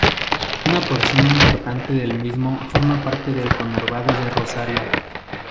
Una porción importante del mismo forma parte del conurbano de Rosario.